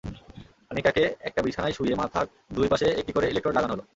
আনিকাকে একটা বিছানায় শুইয়ে মাথার দুই পাশে একটি করে ইলেকট্রোড লাগানো হলো।